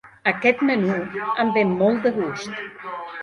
Aquest menú em ve molt de gust.